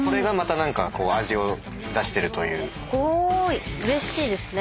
うれしいですね。